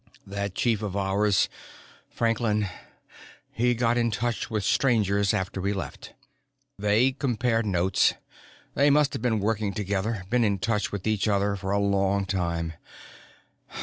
That chief of ours Franklin he got in touch with Strangers after we left. They compared notes. They must have been working together, been in touch with each other, for a long time.